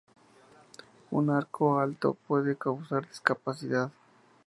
Un arco alto puede causar discapacidad.